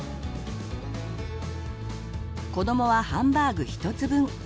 子どもはハンバーグ１つ分。